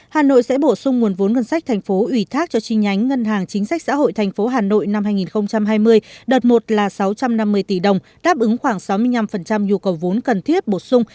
hà nội sẽ bổ sung nguồn vốn ngân sách thành phố ủy thác cho chi nhánh ngân hàng chính sách xã hội thành phố hà nội năm hai nghìn hai mươi đợt một là sáu trăm năm mươi tỷ đồng đáp ứng khoảng sáu mươi năm nhu cầu vốn cần thiết bổ sung